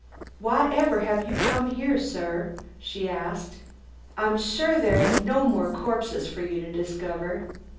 "Whyever 'ave you come 'ere, sir?" asked she. "I'm sure there ain't no more corpses for you to discover."